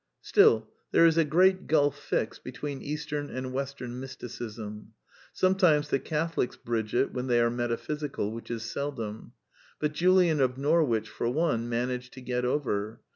Still, there is a great gulf fixed between Eastern and Western Mysticism. Sometimes the Catholics bridge it, when they are metaphysical, which is seldom. But Julian of Norwich, for one, managed to get over.